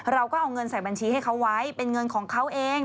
เราก็เอาเงินใส่บัญชีให้เขาไว้เป็นเงินของเขาเอง